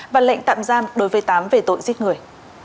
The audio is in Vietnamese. và lệnh tạm giam đối với tám về tội giết người